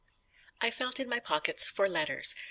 I felt in my pockets for letters.